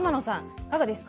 いかがですか？